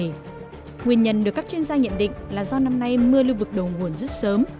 nguyên nhân được các chuyên gia nhận định là do năm nay mưa lưu vực đầu nguồn rất sớm